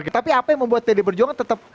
oke tapi apa yang membuat pdi perjuangan tetap